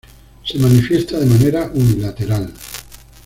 Se manifiesta de manera unilateral.